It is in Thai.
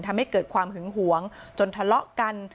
ทำให้เกิดความหึงหวงจนทะเลาะกัน